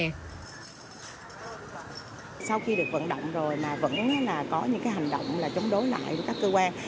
sau khi được vận động rồi mà vẫn có những hành động chống đối lại các cơ quan